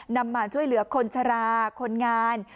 นำมาช่วยเหลือคนชะลาคนงาน